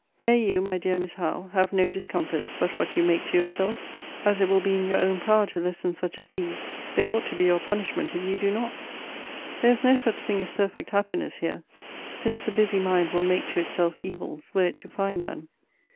May you, my dear Miss Howe, have no discomforts but what you make to yourself! as it will be in your own power to lessen such as these, they ought to be your punishment if you do not. There is no such thing as perfect happiness here, since the busy mind will make to itself evils, were it to find none.